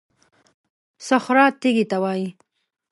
صخره تېږې ته وایي.